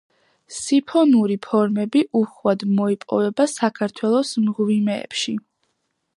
სიფონური ფორმები უხვად მოიპოვება საქართველოს მღვიმეებში.